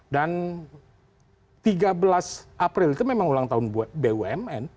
dan tiga belas april itu memang ulang tahun bumn